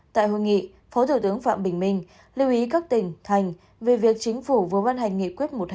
tại hội nghị phó thủ tướng phạm bình minh lưu ý các tỉnh thành về việc chính phủ vừa ban hành nghị quyết một trăm hai mươi năm